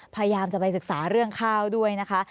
พยายามจะไปศึกษาเรื่องข้าวด้วยนะคะ